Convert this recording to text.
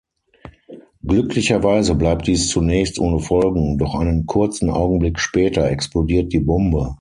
Glücklicherweise bleibt dies zunächst ohne Folgen, doch einen kurzen Augenblick später explodiert die Bombe.